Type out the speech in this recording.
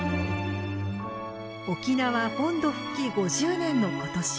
沖縄本土復帰５０年の今年。